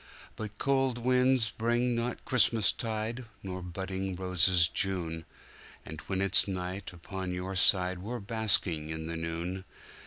But cold winds bring not Christmastide, nor budding roses June, And when it's night upon your side we're basking in the noon.